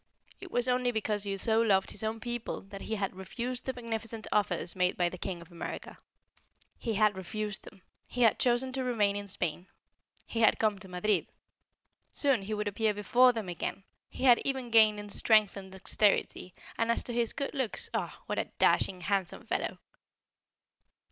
It was only because he so loved his own people that he had refused the magnificent offers made by the King of America. He had refused them; he had chosen to remain in Spain. He had come to Madrid. Soon he would appear before them again. He had even gained in strength and dexterity; and as to his good looks ah! what a dashing, handsome fellow!